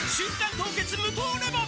凍結無糖レモン」